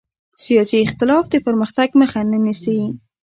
سیاسي اختلاف د پرمختګ مخه نه نیسي